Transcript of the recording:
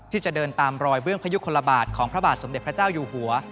ที่จะเดินตามรอยเบื้องพยุคลบาทของพระบาทสมเด็จพระเจ้าอยู่หัว